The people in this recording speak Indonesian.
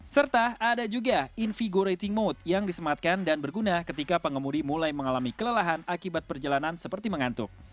serta ada juga in figurating mode yang disematkan dan berguna ketika pengemudi mulai mengalami kelelahan akibat perjalanan seperti mengantuk